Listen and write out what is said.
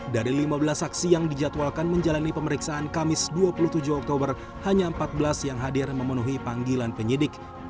dari lima belas saksi yang dijadwalkan menjalani pemeriksaan kamis dua puluh tujuh oktober hanya empat belas yang hadir memenuhi panggilan penyidik